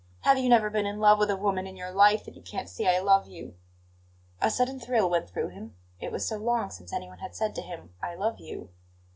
Have you never been in love with a woman in your life that you can't see I love you?" A sudden thrill went through him; it was so long since anyone had said to him: "I love you."